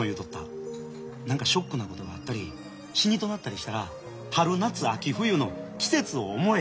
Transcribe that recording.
「何かショックなことがあったり死にとうなったりしたら春夏秋冬の季節を思え」。